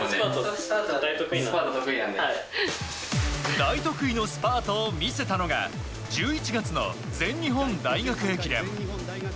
大得意のスパートを見せたのが１１月の全日本大学駅伝。